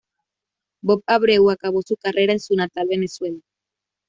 Bob Abreu acabó su carrera en su natal Venezuela.